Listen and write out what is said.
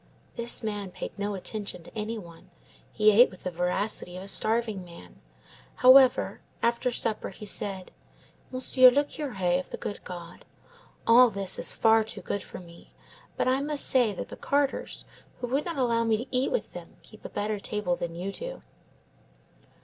"... This man paid no attention to any one. He ate with the voracity of a starving man. However, after supper he said: "'Monsieur le Curé of the good God, all this is far too good for me; but I must say that the carters who would not allow me to eat with them keep a better table than you do.